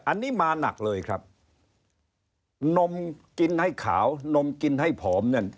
อันนี้มาหนักเลยครับนมกินให้ขาวนมกินให้ผอมเนี่ย